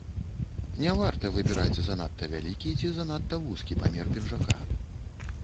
Не варта выбіраць занадта вялікі ці занадта вузкі памер пінжака.